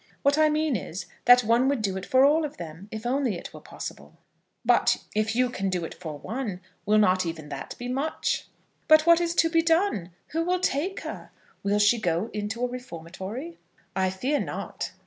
What I mean is, that one would do it for all of them, if only it were possible." "If you can do it for one, will not even that be much?" "But what is to be done? Who will take her? Will she go into a reformatory?" "I fear not."